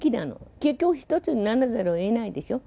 結局一つにならざるをえないでしょ。